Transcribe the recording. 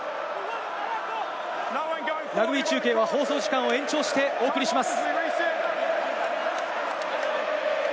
ラグビー中継は放送時間を延長してお送りします。